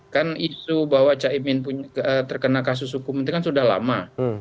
kan isu bahwa caimin terkena kasus hukum itu kan sudah lama